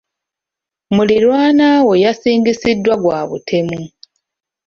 Muliraanwa we yasingisiddwa gwa butemu.